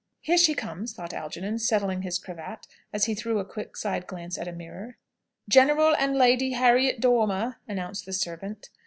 "Here she comes!" thought Algernon, settling his cravat as he threw a quick side glance at a mirror. "General and Lady Harriet Dormer," announced the servant.